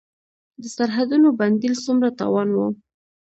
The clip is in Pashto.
د سرحدونو بندیدل څومره تاوان و؟